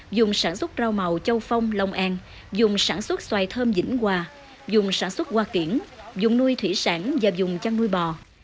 dùng sản xuất rau màu châu phong long an dùng sản xuất xoài thơm dĩnh hòa dùng sản xuất hoa kiển dùng nuôi thủy sản và dùng chăn nuôi bò